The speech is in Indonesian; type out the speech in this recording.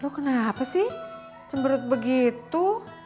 loh kenapa sih cemberut begitu